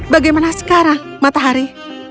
bagaimana sekarang matahari